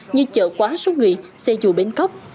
như chợ quá số người xe dù bến khóc